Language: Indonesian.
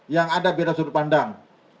yang ada beda sudut pandang